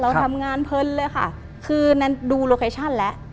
เราทำงานเพลินเลยค่ะคือแนนดูโลเคชั่นแล้ว